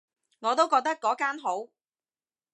我都覺得嗰間好